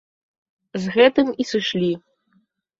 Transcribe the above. З гэтым і сышлі.